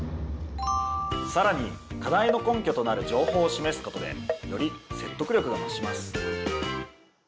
さらに課題の根拠となる情報を示すことでより説得力が増します。